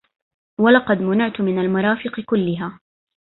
ولقد منعت من المرافق كلها